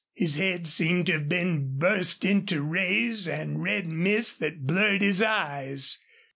His head seemed to have been burst into rays and red mist that blurred his eyes.